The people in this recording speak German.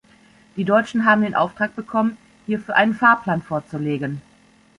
Die Deutschen haben den Auftrag bekommen, hierfür einen Fahrplan vorzulegen.